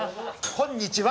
こんにちは。